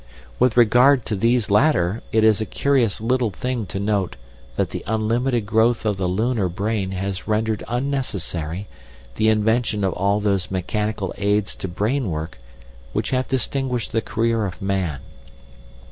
With regard to these latter, it is a curious little thing to note that the unlimited growth of the lunar brain has rendered unnecessary the invention of all those mechanical aids to brain work which have distinguished the career of man.